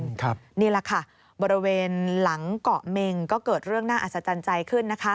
นี่แหละค่ะบริเวณหลังเกาะเมงก็เกิดเรื่องน่าอัศจรรย์ใจขึ้นนะคะ